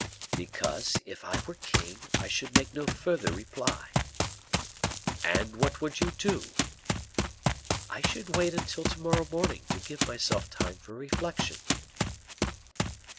"Because, if I were king, I should make no further reply." "And what would you do?" "I should wait until to morrow morning to give myself time for reflection."